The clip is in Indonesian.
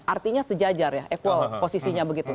artinya sejajar ya effor posisinya begitu